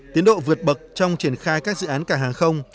tiến độ vượt bậc trong triển khai các dự án cảng hàng không